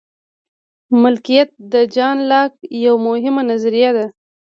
مالکیت د جان لاک یوه مهمه نظریه ده.